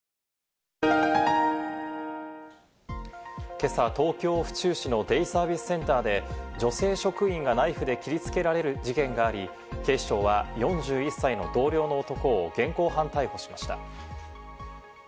今朝、東京・府中市のデイサービスセンターで、女性職員がナイフで切りつけられる事件があり、警視庁は４１歳の同僚の男を現行犯逮捕しました。